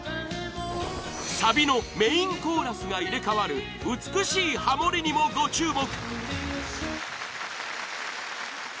サビのメインコーラスが入れ替わる美しいハモりにも、ご注目！